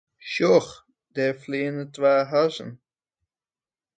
Sjoch, dêr fleane twa hazzen.